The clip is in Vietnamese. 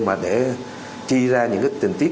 mà để chi ra những cái tình tiết